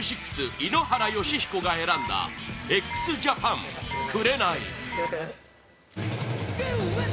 井ノ原快彦が選んだＸＪＡＰＡＮ「紅」